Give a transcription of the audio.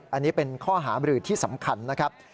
อันนี้เป็นข้อหาบรือที่สำคัญนะครับ